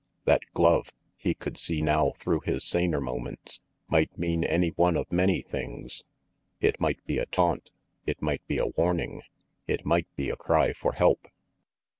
That glove, he could see now through his saner moments, might mean any one of many things. It might be a taunt. It might be a warning; it might be a cry for help.